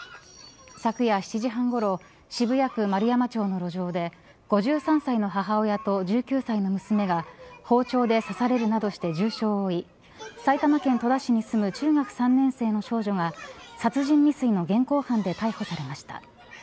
昨夜７時半ごろ渋谷区円山町の路上で５３歳の母親と１９歳の娘が包丁で刺されるなどして重傷を負い埼玉県戸田市に住む中学３年生の少女が殺人未遂の現行犯で逮捕されました。